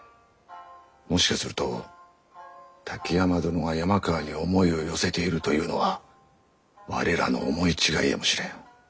もしかすると滝山殿が山川に思いを寄せているというのは我らの思い違いやもしれん。